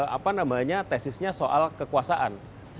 apa namanya tesisnya soal kekuasaan